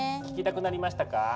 聞きたくなりましたか？